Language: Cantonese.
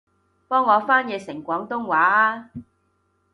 幫我翻譯成廣東話吖